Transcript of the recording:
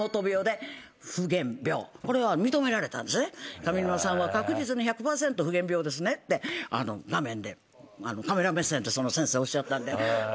「上沼さんは確実に１００％夫源病ですね」って画面でカメラ目線でその先生おっしゃったんで。